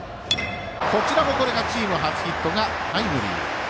こちらもチーム初ヒットがタイムリー。